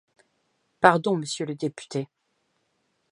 Pardon, monsieur le député.